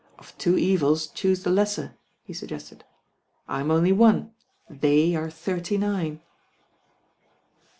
;'Of two evils choose the lesser," he suggested. 1 m only one, they are thirty^iine."